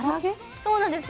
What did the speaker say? そうなんですよ。